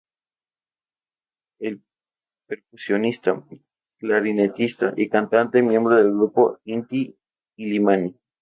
Es percusionista, clarinetista y cantante, miembro del grupo Inti-Illimani.